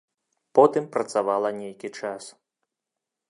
Потым працавала нейкі час.